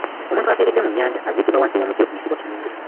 Omuntu afiiridde mu nnyanja aziikibwa wansi w’omuti oguyitibwa Kirundu.